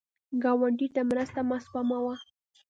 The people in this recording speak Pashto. ګاونډي ته مرسته مه سپموه